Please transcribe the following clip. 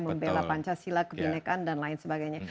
membela pancasila kebinekaan dan lain sebagainya